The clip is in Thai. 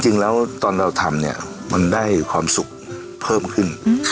จริงแล้วตอนเราทำเนี่ยมันได้ความสุขเพิ่มขึ้น